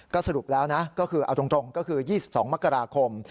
สรุปแล้วนะก็คือเอาตรงก็คือ๒๒มกราคม